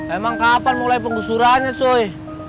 emang kapan mulai penggusurannya coy